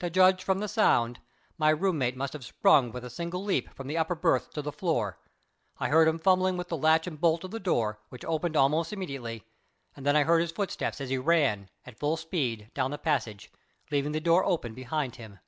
To judge from the sound, my room mate must have sprung with a single leap from the upper berth to the floor. I heard him fumbling with the latch and bolt of the door, which opened almost immediately, and then I heard his footsteps as he ran at full speed down the passage, leaving the door open behind him.